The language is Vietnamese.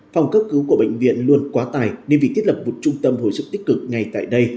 phòng cấp cứu của bệnh viện luôn quá tài nên vì thiết lập một trung tâm hồi sức tích cực ngay tại đây